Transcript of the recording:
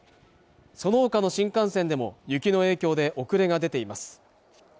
そのほかの新幹線でも雪の影響で遅れが出ています